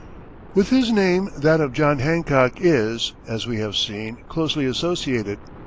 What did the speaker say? With his name that of John Hancock is, as we have seen, closely associated.